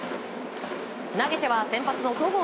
投げては先発の戸郷